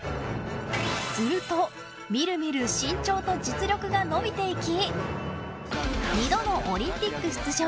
するとみるみる身長と実力が伸びていき２度のオリンピック出場。